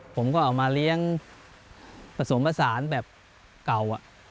ผมก็เอามาเลี้ยงผสมผสานแบบเก่า